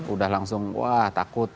udah langsung wah takut